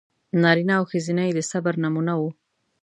نارینه او ښځینه یې د صبر نمونه و.